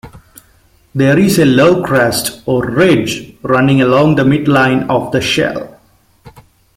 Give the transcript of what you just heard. There is a low crest or ridge running along the midline of the shell.